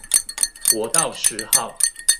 國道十號